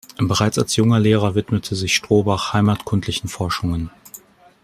Bereits als junger Lehrer widmete sich Strohbach heimatkundlichen Forschungen.